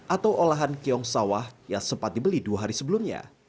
atau olahan keong sawah yang sempat dibeli dua hari sebelumnya